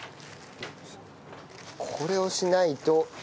これをしないと。